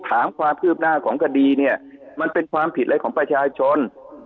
ถามความคืบหน้าของคดีเนี่ยมันเป็นความผิดอะไรของประชาชน